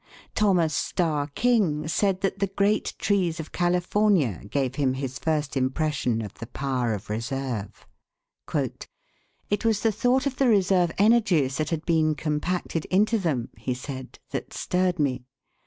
Thomas Starr King said that the great trees of California gave him his first impression of the power of reserve. "It was the thought of the reserve energies that had been compacted into them," he said, "that stirred me.